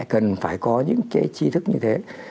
cần phải có những cái chi thức như thế